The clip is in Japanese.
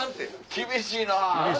厳しいな。